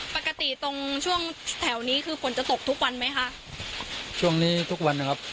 ปกติตรงช่วงแถวนี้คือฝนจะตกทุกวันไหมคะช่วงนี้ทุกวันนะครับ